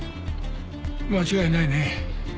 間違いないね。